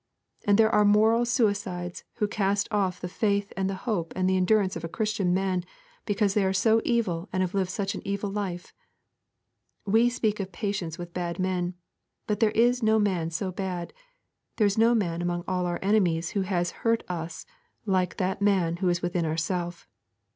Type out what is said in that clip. And there are moral suicides who cast off the faith and the hope and the endurance of a Christian man because they are so evil and have lived such an evil life. We speak of patience with bad men, but there is no man so bad, there is no man among all our enemies who has at all hurt us like that man who is within ourselves.